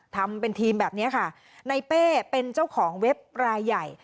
ทำเป็นทีมแบบนี้ค่ะในเป้เป็นเจ้าของเว็บรายใหญ่